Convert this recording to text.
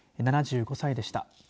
７５歳でした。